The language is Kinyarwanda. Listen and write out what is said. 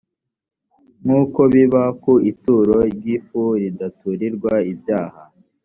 nk uko biba ku ituro ry ifu ridaturirirwa ibyaha